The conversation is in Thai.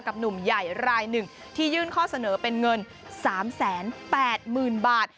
หนุ่มใหญ่รายหนึ่งที่ยื่นข้อเสนอเป็นเงิน๓๘๐๐๐บาท